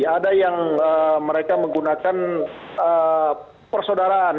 ada yang mereka menggunakan persaudaraan